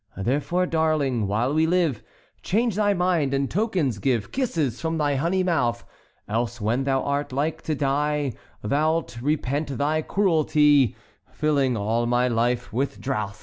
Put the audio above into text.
"Therefore, darling, while we live, Change thy mind and tokens give— Kisses from thy honey mouth! Else when thou art like to die Thou 'lt repent thy cruelty, Filling all my life with drouth!"